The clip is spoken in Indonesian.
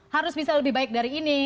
harus bisa lebih baik dari ini